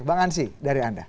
bang ansi dari anda